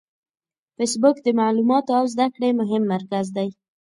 فېسبوک د معلوماتو او زده کړې مهم مرکز دی